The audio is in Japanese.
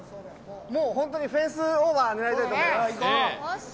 もう本当にフェンスオーバー狙いたいと思います。